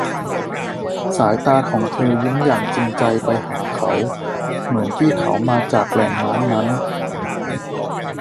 สายตาของเธอยิ้มอย่างจริงใจไปหาเขา เหมือนที่เขามาจากแหล่งน้ำนั้น